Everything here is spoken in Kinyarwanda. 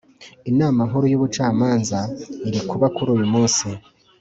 inama nkuru y ubucamanza irikuba kuri uyu munsi